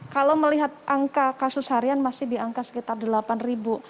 kalau melihat angka kasus harian masih di angka sekitar delapan ribu